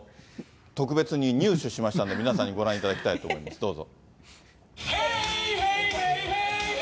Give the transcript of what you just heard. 特別に入手しましたんで、皆さんにご覧いただきたいと思います、どうぞ。